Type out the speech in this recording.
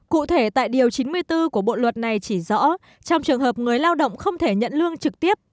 cụ thể tại điều chín mươi bốn của bộ luật này chỉ rõ trong trường hợp người lao động không thể nhận lương trực tiếp